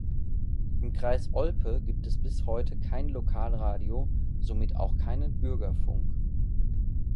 Im Kreis Olpe gibt es bis heute kein Lokalradio, somit auch keinen Bürgerfunk.